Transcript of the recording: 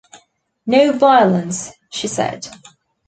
No violence, she said.